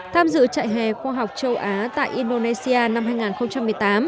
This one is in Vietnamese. tham dự trại hè khoa học châu á tại indonesia năm hai nghìn một mươi tám